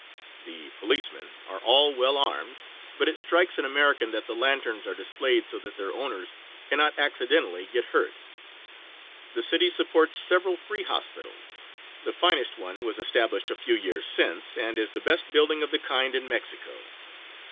The policemen are all well armed, but it strikes an American that the lanterns are displayed so that their owners cannot accidentally get hurt. The city supports several free hospitals; the finest one was established a few years since, and is the best building of the kind in Mexico.